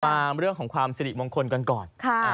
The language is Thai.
มาเรื่องของความสิริมงคลกันก่อน